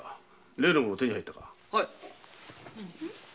例の物手に入ったか？